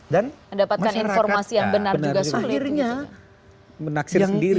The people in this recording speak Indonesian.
dan masyarakat akhirnya